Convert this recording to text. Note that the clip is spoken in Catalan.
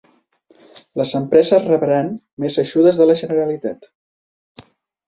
Les empreses rebran més ajudes de la Generalitat.